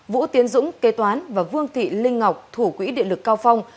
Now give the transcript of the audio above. vũ tiến dũng kế toán và vương thị linh ngọc thủ quỹ điện lực cao phong